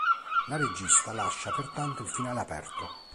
La regista lascia pertanto il finale aperto.